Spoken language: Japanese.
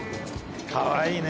かわいいね。